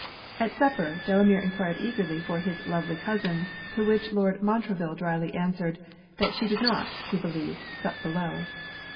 At supper, Delamere enquired eagerly for his 'lovely cousin.' To which Lord Montreville drily answered, 'that she did not, he believed, sup below.'